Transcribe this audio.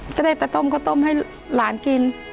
จะได้แต่ต้มข้าวต้มให้หลานกิน